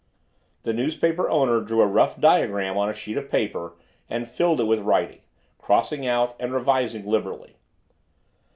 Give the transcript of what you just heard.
The newspaper owner drew a rough diagram on a sheet of paper and filled it in with writing, crossing out and revising liberally.